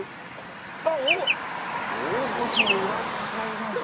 大御所いらっしゃいましたよ。